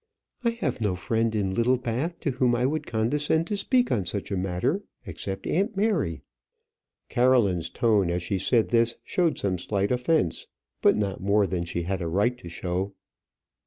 "I have no friend in Littlebath to whom I would condescend to speak on such a matter, except aunt Mary." Caroline's tone as she said this showed some slight offence; but not more than she had a right to show.